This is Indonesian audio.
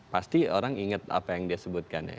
pasti orang inget apa yang dia sebutkan ya